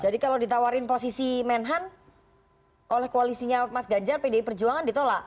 jadi kalau ditawarin posisi menhan oleh koalisinya mas ganjar pdi perjuangan ditolak